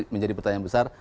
menjadi pertanyaan besar